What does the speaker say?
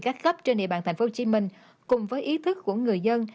các cấp trên địa bàn tp hcm cùng với ý thức của người dân